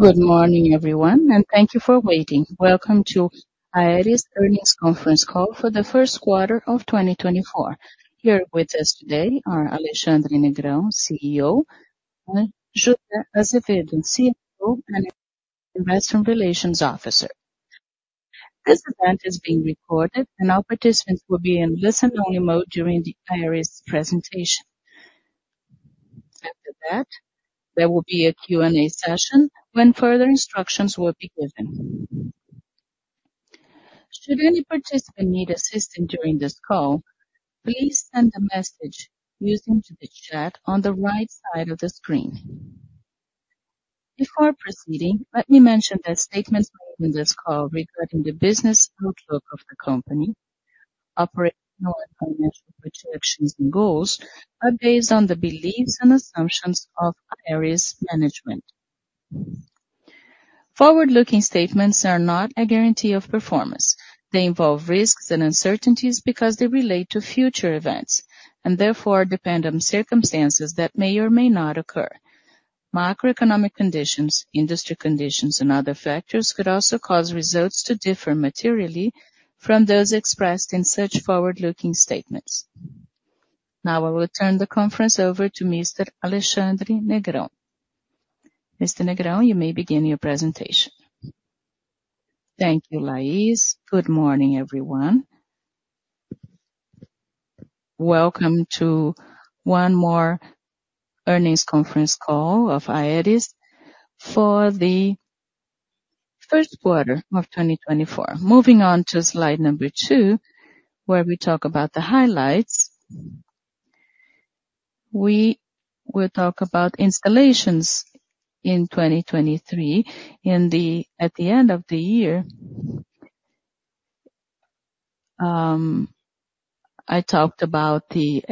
Good morning, everyone, and thank you for waiting. Welcome to Aeris Earnings Conference Call for the first quarter of 2024. Here with us today are Alexandre Negrão, CEO, and José Azevedo, CFO and Investor Relations Officer. This event is being recorded, and all participants will be in listen-only mode during the Aeris presentation. After that, there will be a Q&A session when further instructions will be given. Should any participant need assistance during this call, please send a message using the chat on the right side of the screen. Before proceeding, let me mention that statements made in this call regarding the business outlook of the company, operational and financial projections and goals, are based on the beliefs and assumptions of Aeris management. Forward-looking statements are not a guarantee of performance. They involve risks and uncertainties because they relate to future events and therefore depend on circumstances that may or may not occur. Macroeconomic conditions, industry conditions, and other factors could also cause results to differ materially from those expressed in such forward-looking statements. Now I will turn the conference over to Mr. Alexandre Negrão. Mr. Negrão, you may begin your presentation. Thank you, Laís. Good morning, everyone. Welcome to one more earnings conference call of Aeris for the first quarter of 2024. Moving on to slide number 2, where we talk about the highlights, we will talk about installations in 2023. At the end of the year, I talked about the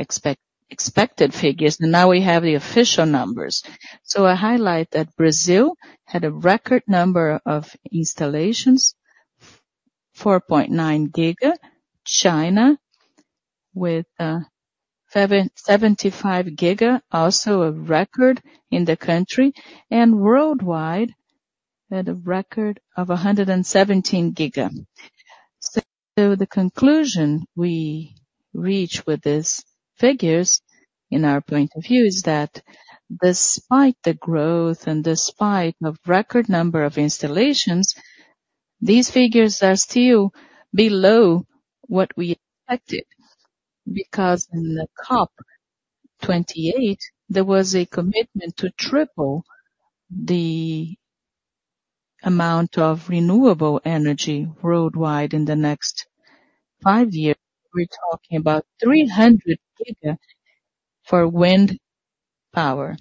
expected figures, and now we have the official numbers. So I highlight that Brazil had a record number of installations, 4.9 giga, China with 75 giga, also a record in the country, and worldwide had a record of 117 giga. So the conclusion we reach with these figures, in our point of view, is that despite the growth and despite a record number of installations, these figures are still below what we expected because in the COP28, there was a commitment to triple the amount of renewable energy worldwide in the next five years. We're talking about 300 giga for wind power.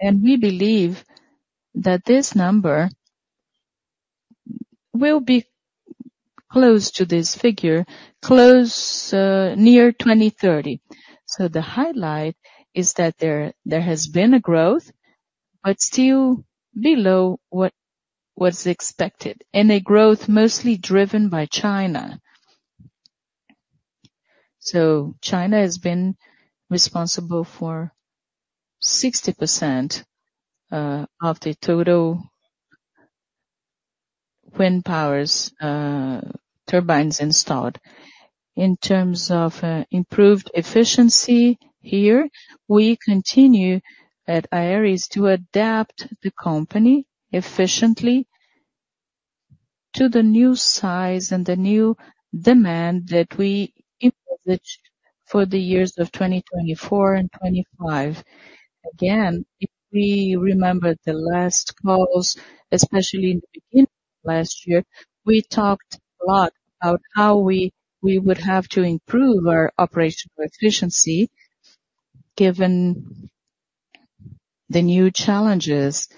And we believe that this number will be close to this figure, near 2030. So the highlight is that there has been a growth but still below what was expected, and a growth mostly driven by China. So China has been responsible for 60% of the total wind power turbines installed. In terms of improved efficiency here, we continue at Aeris to adapt the company efficiently to the new size and the new demand that we envisaged for the years of 2024 and 2025. Again, if we remember the last calls, especially in the beginning of last year, we talked a lot about how we would have to improve our operational efficiency given the new challenges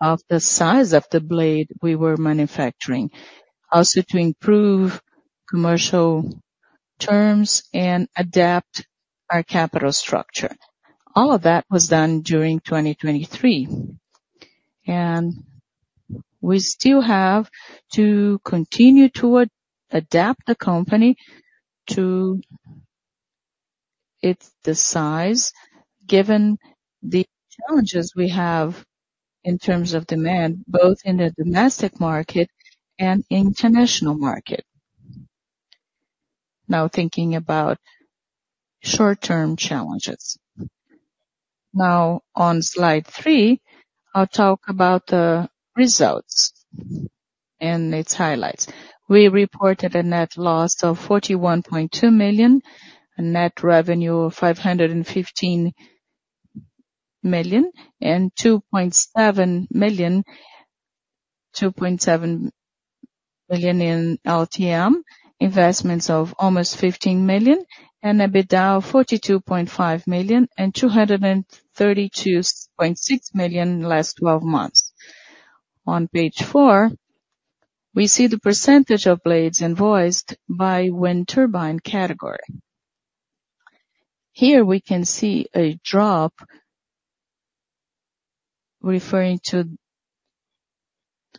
of the size of the blade we were manufacturing, also to improve commercial terms and adapt our capital structure. All of that was done during 2023. We still have to continue to adapt the company to its size given the challenges we have in terms of demand, both in the domestic market and international market. Now, thinking about short-term challenges. Now, on slide three, I'll talk about the results and its highlights. We reported a net loss of 41.2 million, a net revenue of 515 million, and 2.7 million in LTM, investments of almost 15 million, and an EBITDA of 42.5 million and 232.6 million last 12 months. On page 4, we see the percentage of blades invoiced by wind turbine category. Here we can see a drop referring to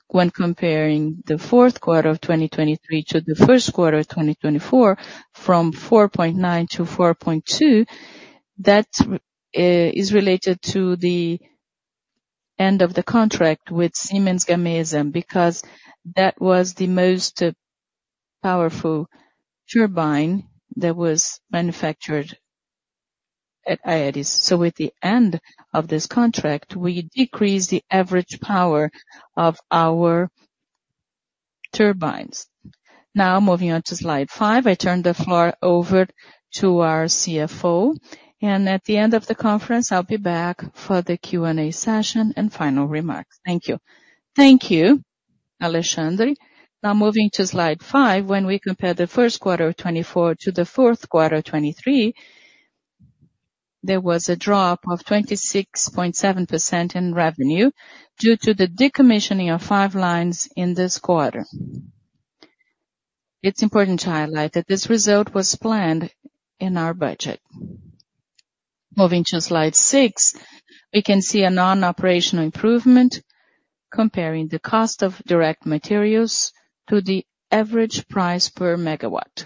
when comparing the fourth quarter of 2023 to the first quarter of 2024 from 4.9 to 4.2. That is related to the end of the contract with Siemens Gamesa because that was the most powerful turbine that was manufactured at Aeris. So with the end of this contract, we decreased the average power of our turbines. Now, moving on to slide 5, I turn the floor over to our CFO, and at the end of the conference, I'll be back for the Q&A session and final remarks. Thank you. Thank you, Alexandre. Now moving to slide 5. When we compare the first quarter of 2024 to the fourth quarter of 2023, there was a drop of 26.7% in revenue due to the decommissioning of 5 lines in this quarter. It's important to highlight that this result was planned in our budget. Moving to slide 6, we can see a non-operational improvement comparing the cost of direct materials to the average price per megawatt.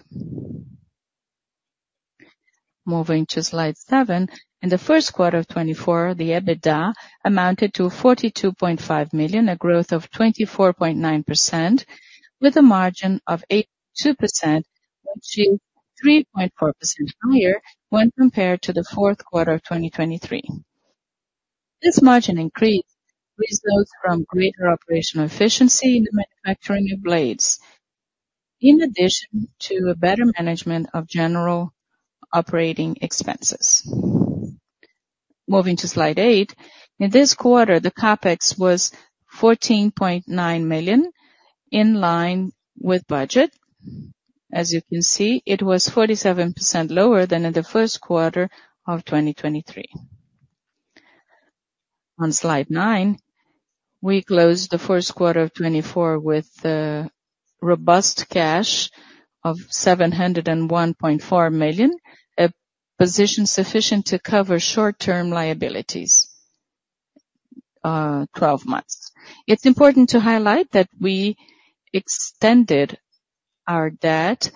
Moving to slide 7. In the first quarter of 2024, the EBITDA amounted to 42.5 million, a growth of 24.9%, with a margin of 82%, which is 3.4% higher when compared to the fourth quarter of 2023. This margin increase results from greater operational efficiency in the manufacturing of blades, in addition to a better management of general operating expenses. Moving to slide 8. In this quarter, the CAPEX was 14.9 million in line with budget. As you can see, it was 47% lower than in the first quarter of 2023. On slide 9, we closed the first quarter of 2024 with robust cash of 701.4 million, a position sufficient to cover short-term liabilities, 12 months. It's important to highlight that we extended our debt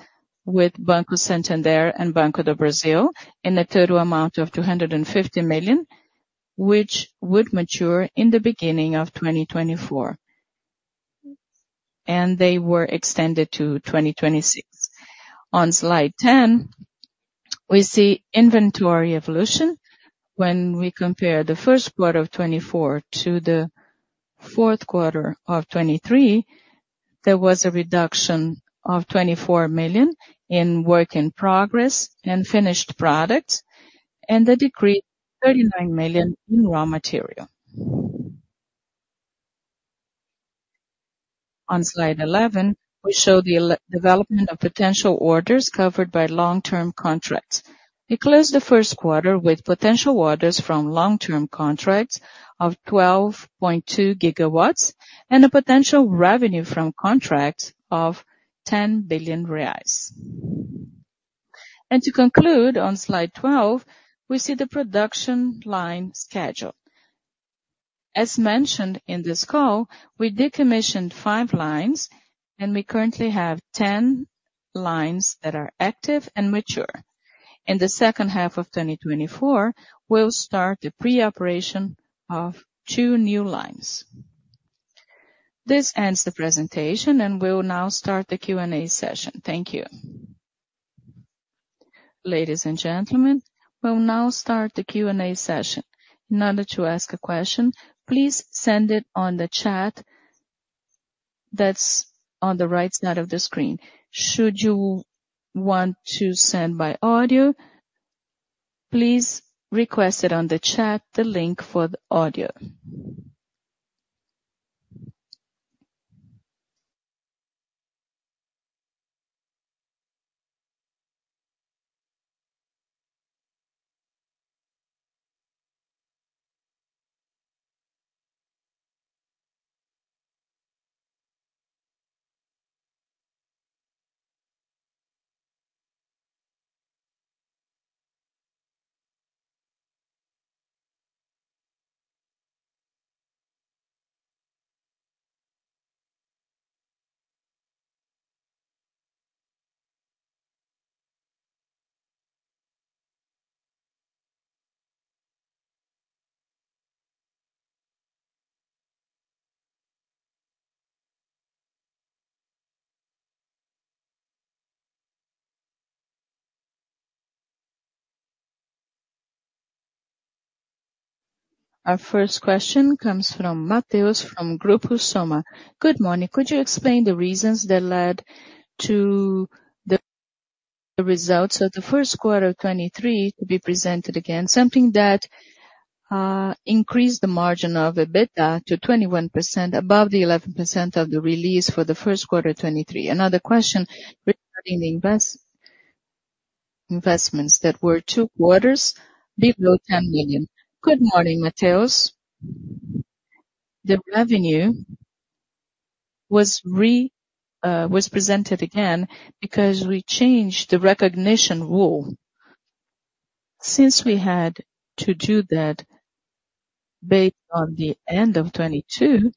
with Banco Santander and Banco do Brasil in a total amount of 250 million, which would mature in the beginning of 2024, and they were extended to 2026. On slide 10, we see inventory evolution. When we compare the first quarter of 2024 to the fourth quarter of 2023, there was a reduction of 24 million in work in progress and finished products, and a decrease of 39 million in raw material. On slide 11, we show the development of potential orders covered by long-term contracts. We closed the first quarter with potential orders from long-term contracts of 12.2 gigawatts and a potential revenue from contracts of 10 billion reais. To conclude, on slide 12, we see the production line schedule. As mentioned in this call, we decommissioned 5 lines, and we currently have 10 lines that are active and mature. In the second half of 2024, we'll start the pre-operation of 2 new lines. This ends the presentation, and we'll now start the Q&A session. Thank you. Ladies and gentlemen, we'll now start the Q&A session. In order to ask a question, please send it on the chat that's on the right side of the screen. Should you want to send by audio, please request it on the chat, the link for the audio. Our first question comes from Matheus from Grupo SOMA. Good morning. Could you explain the reasons that led to the results of the first quarter of 2023 to be presented again, something that increased the margin of EBITDA to 21% above the 11% of the release for the first quarter of 2023? Another question regarding the investments that were two quarters below 10 million. Good morning, Matheus. The revenue was presented again because we changed the recognition rule. Since we had to do that based on the end of 2022,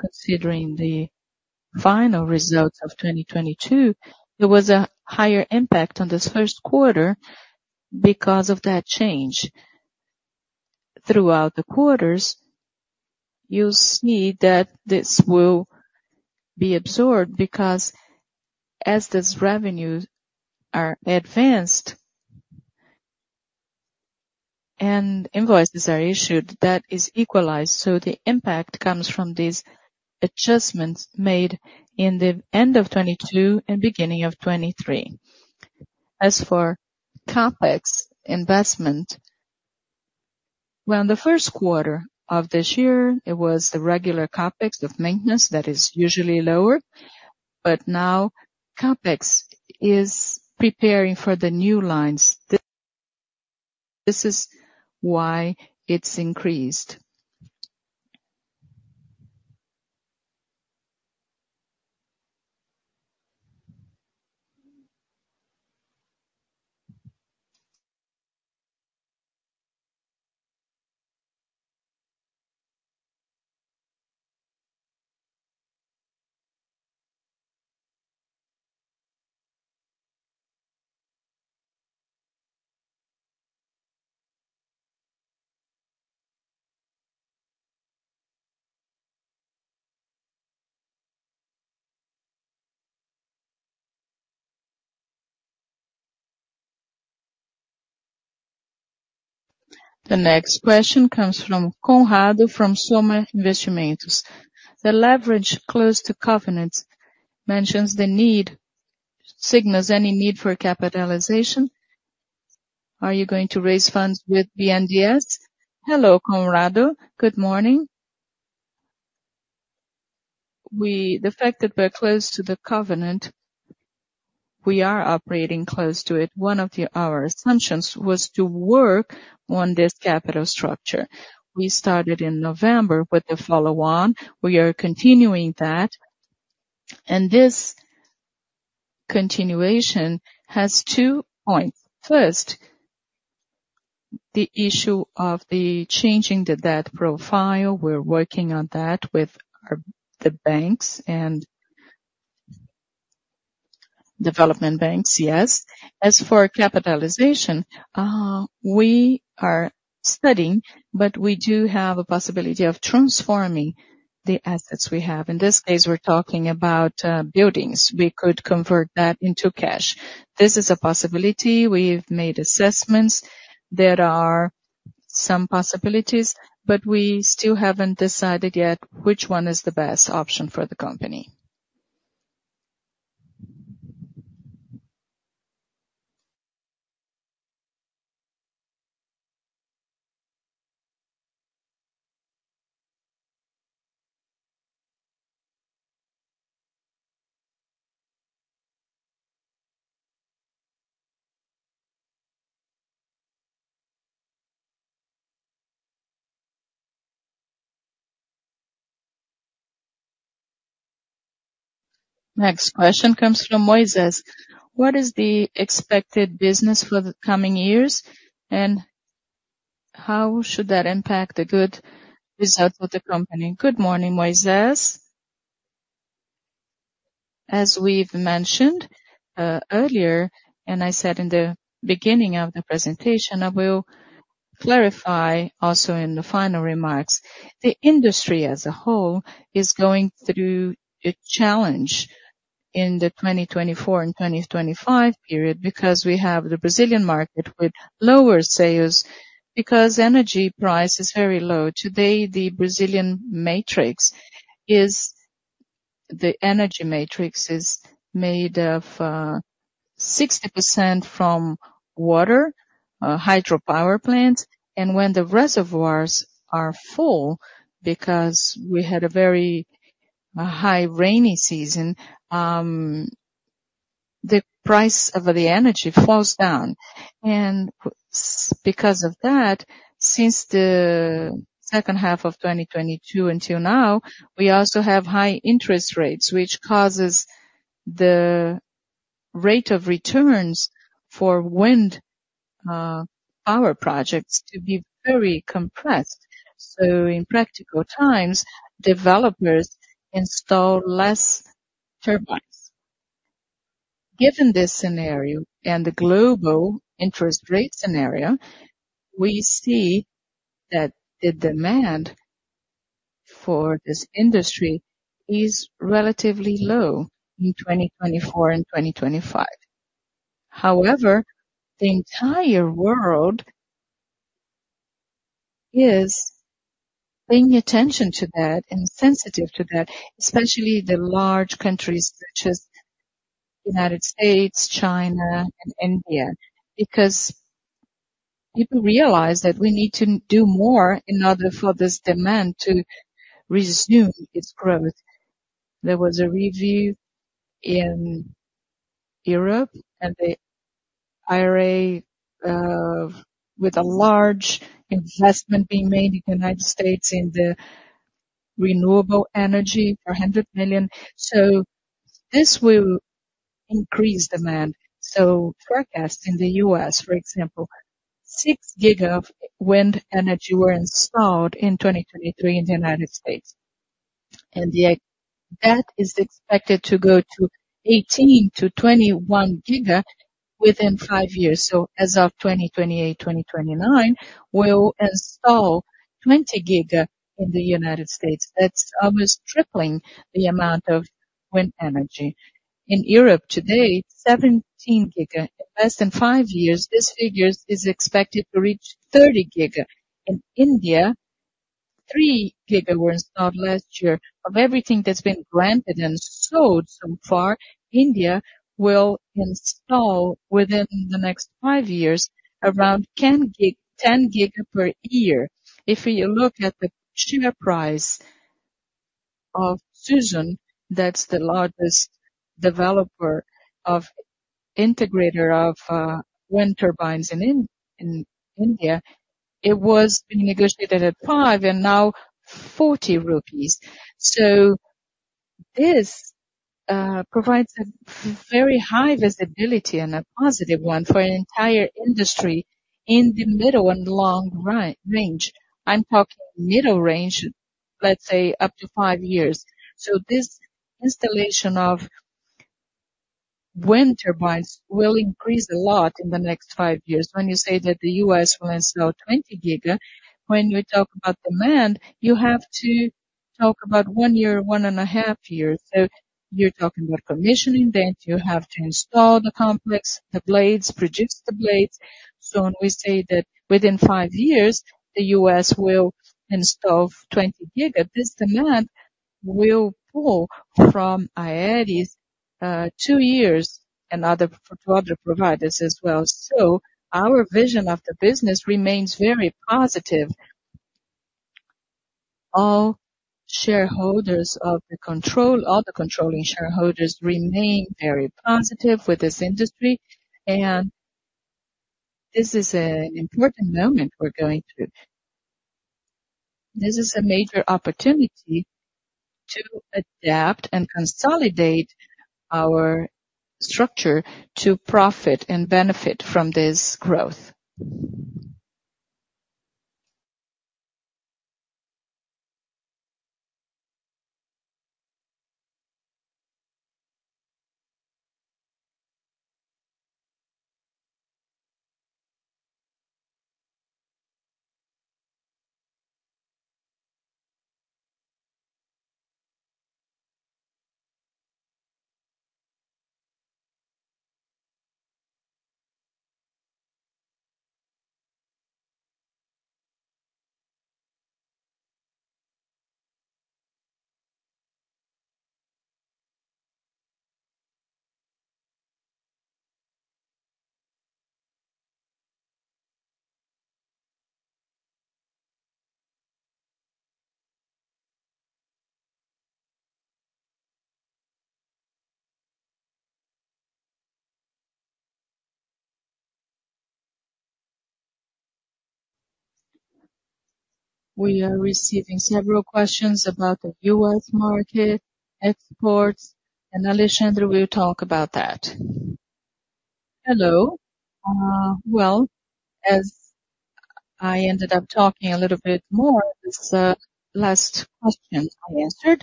considering the final results of 2022, there was a higher impact on this first quarter because of that change. Throughout the quarters, you'll see that this will be absorbed because as this revenues are advanced and invoices are issued, that is equalized. So the impact comes from these adjustments made in the end of 2022 and beginning of 2023. As for CAPEX investment, well, in the first quarter of this year, it was the regular CAPEX of maintenance that is usually lower, but now CAPEX is preparing for the new lines. This is why it's increased. The next question comes from Conrado from Soma Investimentos. The leverage close to covenants mentions the need, signals any need for capitalization. Are you going to raise funds with BNDES? Hello, Conrado. Good morning. The fact that we're close to the covenant, we are operating close to it. One of our assumptions was to work on this capital structure. We started in November with the follow-on. We are continuing that. And this continuation has two points. First, the issue of changing the debt profile. We're working on that with the banks and development banks, yes. As for capitalization, we are studying, but we do have a possibility of transforming the assets we have. In this case, we're talking about buildings. We could convert that into cash. This is a possibility. We've made assessments. There are some possibilities, but we still haven't decided yet which one is the best option for the company. Next question comes from Moisés. What is the expected business for the coming years, and how should that impact the good results of the company? Good morning, Moisés. As we've mentioned earlier, and I said in the beginning of the presentation, I will clarify also in the final remarks, the industry as a whole is going through a challenge in the 2024 and 2025 period because we have the Brazilian market with lower sales because energy price is very low. Today, the Brazilian energy matrix is made of 60% from water, hydropower plants. When the reservoirs are full because we had a very high rainy season, the price of the energy falls down. Because of that, since the second half of 2022 until now, we also have high interest rates, which causes the rate of returns for wind power projects to be very compressed. In practical times, developers install less turbines. Given this scenario and the global interest rate scenario, we see that the demand for this industry is relatively low in 2024 and 2025. However, the entire world is paying attention to that and sensitive to that, especially the large countries such as the United States, China, and India, because people realize that we need to do more in order for this demand to resume its growth. There was a review in Europe, and the IRA, with a large investment being made in the United States in the renewable energy, $400 million. So this will increase demand. So forecasts in the U.S., for example, 6 gig of wind energy were installed in 2023 in the United States. And that is expected to go to 18-21 gig within five years. So as of 2028, 2029, we'll install 20 gig in the United States. That's almost tripling the amount of wind energy. In Europe today, 17 gig. In less than five years, this figure is expected to reach 30 gig. In India, 3 gig were installed last year. Of everything that's been granted and sold so far, India will install within the next five years around 10 gig per year. If you look at the share price of Suzlon, that's the largest developer, integrator of wind turbines in India, it was being negotiated at 5 and now 40 rupees. So this provides a very high visibility and a positive one for an entire industry in the middle and long range. I'm talking middle range, let's say, up to five years. So this installation of wind turbines will increase a lot in the next five years. When you say that the U.S. will install 20 giga, when you talk about demand, you have to talk about one year, one and a half years. So you're talking about commissioning that. You have to install the complex, the blades, produce the blades. So when we say that within five years, the U.S. will install 20 giga, this demand will pull from Aeris two years and to other providers as well. So our vision of the business remains very positive. All shareholders of the control all the controlling shareholders remain very positive with this industry. And this is an important moment we're going through. This is a major opportunity to adapt and consolidate our structure to profit and benefit from this growth. We are receiving several questions about the US market, exports, and Alexander, we'll talk about that. Hello. Well, as I ended up talking a little bit more this last question I answered,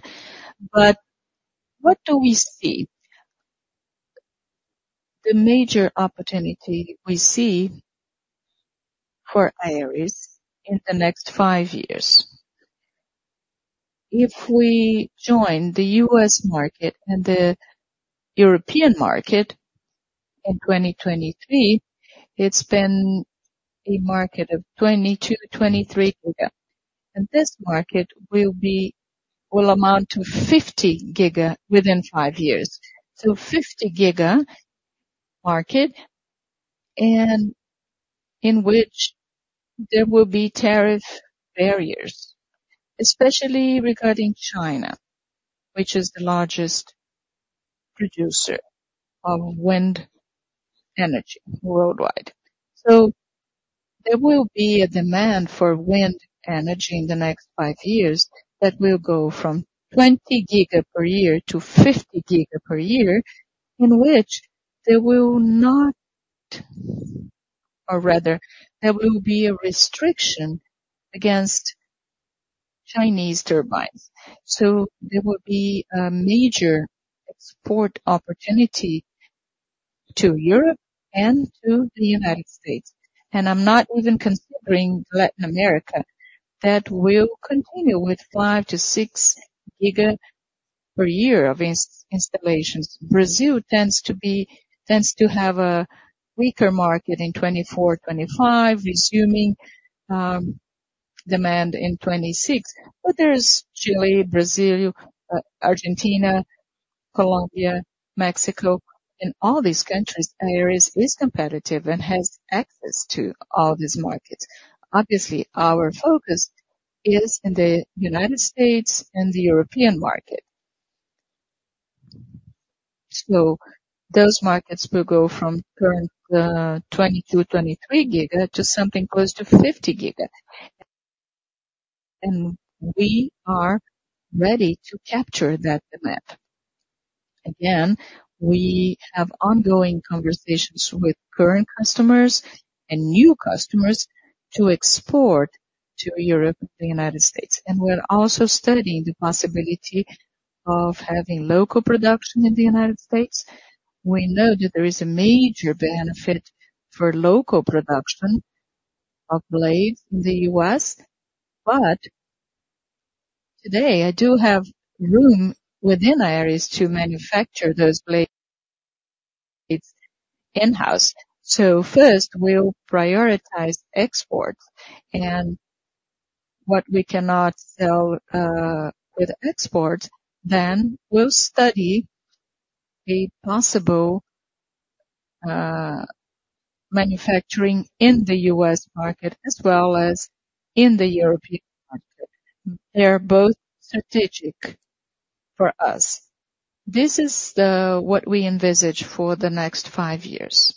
but what do we see? The major opportunity we see for Aeris in the next five years, if we join the US market and the European market in 2023, it's been a market of 22-23 giga. And this market will amount to 50 giga within five years. So 50 giga market in which there will be tariff barriers, especially regarding China, which is the largest producer of wind energy worldwide. So there will be a demand for wind energy in the next 5 years that will go from 20 giga per year to 50 giga per year in which there will not or rather, there will be a restriction against Chinese turbines. So there will be a major export opportunity to Europe and to the United States. And I'm not even considering Latin America that will continue with 5-6 giga per year of installations. Brazil tends to have a weaker market in 2024, 2025, resuming demand in 2026. But there's Chile, Brazil, Argentina, Colombia, Mexico. In all these countries, Aeris is competitive and has access to all these markets. Obviously, our focus is in the United States and the European market. So those markets will go from current 22-23 gig to something close to 50 gig. We are ready to capture that demand. Again, we have ongoing conversations with current customers and new customers to export to Europe and the United States. We're also studying the possibility of having local production in the United States. We know that there is a major benefit for local production of blades in the U.S. But today, I do have room within Aeris to manufacture those blades in-house. First, we'll prioritize exports. What we cannot sell with exports, then we'll study a possible manufacturing in the U.S. market as well as in the European market. They're both strategic for us. This is what we envisage for the next five years.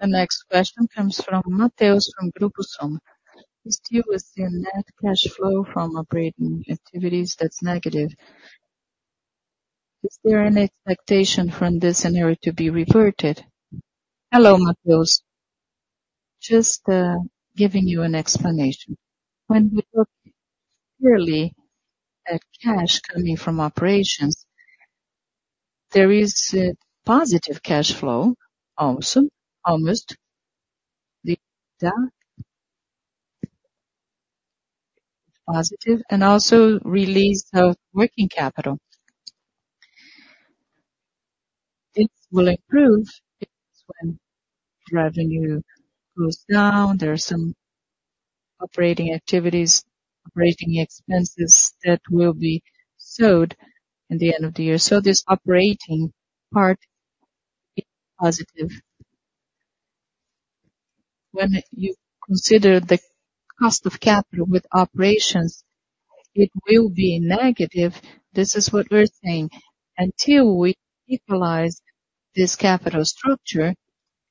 The next question comes from Mateus from Grupo SOMA. He still was seeing net cash flow from operating activities that's negative. Is there an expectation from this scenario to be reverted? Hello, Mateus. Just giving you an explanation. When we look purely at cash coming from operations, there is positive cash flow also, almost. It's positive and also release of working capital. This will improve when revenue goes down. There are some operating activities, operating expenses that will be sold in the end of the year. So this operating part is positive. When you consider the cost of capital with operations, it will be negative. This is what we're saying. Until we equalize this capital structure,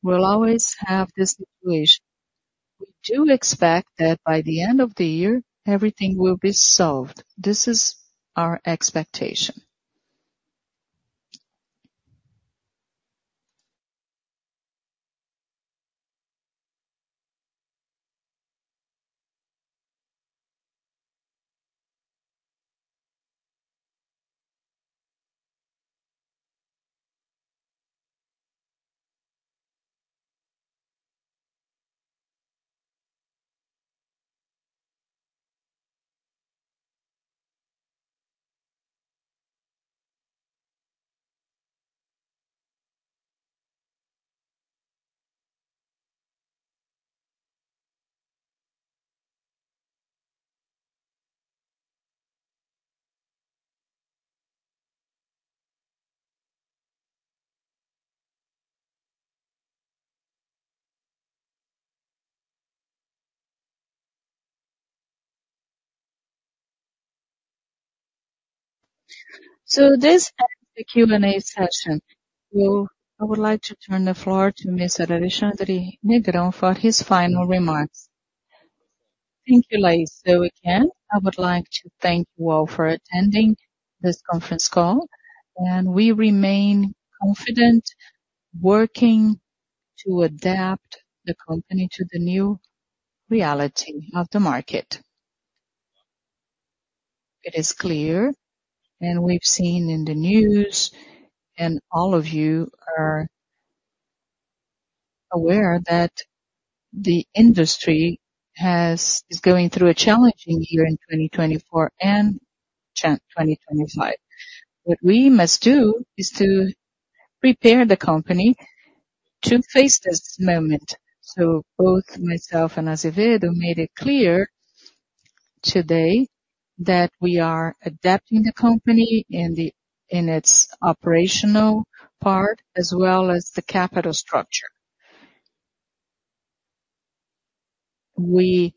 we'll always have this situation. We do expect that by the end of the year, everything will be solved. This is our expectation. So this ends the Q&A session. I would like to turn the floor to Mr. Alexandre Negrão for his final remarks. Thank you, Laís. So again, I would like to thank you all for attending this conference call. We remain confident working to adapt the company to the new reality of the market. It is clear. We've seen in the news, and all of you are aware that the industry is going through a challenging year in 2024 and 2025. What we must do is to prepare the company to face this moment. So both myself and Azevedo made it clear today that we are adapting the company in its operational part as well as the capital structure. We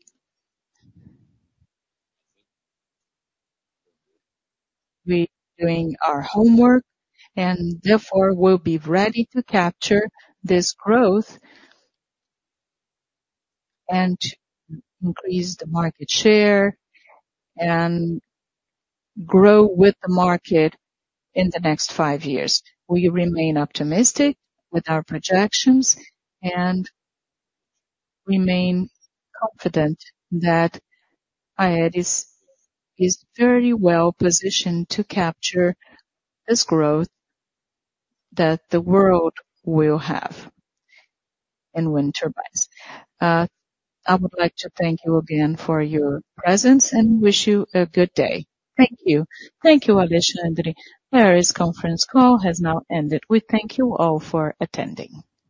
are doing our homework and therefore will be ready to capture this growth and to increase the market share and grow with the market in the next five years. We remain optimistic with our projections and remain confident that Aeris is very well positioned to capture this growth that the world will have in wind turbines. I would like to thank you again for your presence and wish you a good day. Thank you. Thank you, Alexandre. Aeris conference call has now ended. We thank you all for attending.